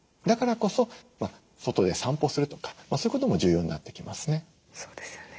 だからこそ外で散歩するとかそういうことも重要になってきますね。